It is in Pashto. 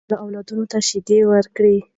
میندې باید خپلو اولادونو ته شیدې ورکړي.